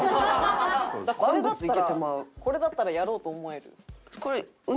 これだったらこれだったらやろうと思える。